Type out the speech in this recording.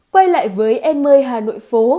quay lại với em ơi hà nội phố